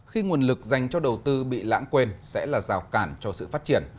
khi nguồn lực dành cho đầu tư bị lãng quên sẽ là rào cản cho sự phát triển